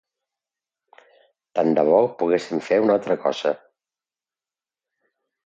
Tant de bo poguéssim fer una altra cosa.